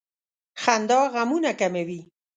• خندا غمونه کموي.